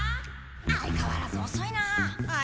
相かわらずおそいなあ。